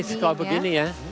lebih praktis kalau begini ya